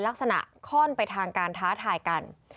ลักษณะเข้านไปทางการท้าทายกัน